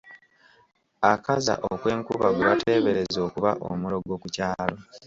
Akaza okwenkuba gwe bateebereza okuba omulogo ku kyalo.